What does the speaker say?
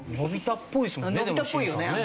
のび太っぽいよね。